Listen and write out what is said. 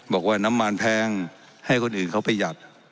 บอกว่าน้ำมันแพงให้คนอื่นเขาประหยัด